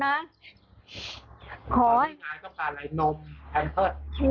น้ายต้องการอะไรนมปันเพิศ